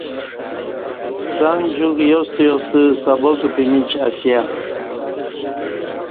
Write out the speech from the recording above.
څݣ جیوک یاستہ یاستہ سبق پمیچ اسیہ